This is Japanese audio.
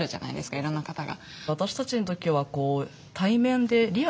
いろんな方が。